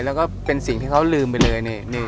แล้วก็เป็นสิ่งที่เขาลืมไปเลยนี่